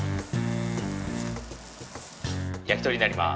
焼き鳥になります。